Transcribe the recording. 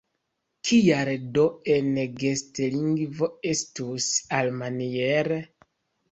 Kial do en gestlingvo estus alimaniere?